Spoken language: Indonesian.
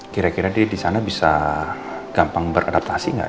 kira kira dia di sana bisa gampang beradaptasi nggak